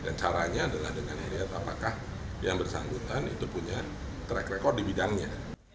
dan caranya adalah dengan melihat apakah yang bersangkutan itu punya track record di bidangnya